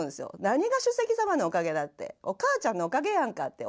何が主席様のおかげだってお母ちゃんのおかげやんかって。